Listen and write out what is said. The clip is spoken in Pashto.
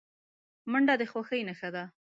منډه د خوښۍ نښه ده